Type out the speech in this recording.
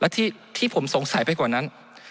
และที่ผมสงสัยไปกว่านั้น